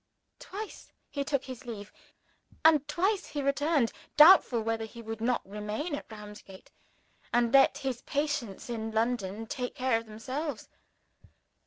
Twice he took his leave; and twice he returned, doubtful whether he would not remain at Ramsgate, and let his patients in London take care of themselves.